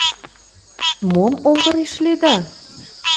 — Мом оҥырешледа?